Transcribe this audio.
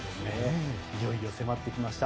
いよいよ迫ってきました。